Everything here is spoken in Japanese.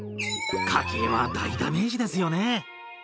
家計は大ダメージですよね。